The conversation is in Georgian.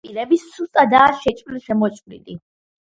სახალინის ნაპირები სუსტადაა შეჭრილ-შემოჭრილი.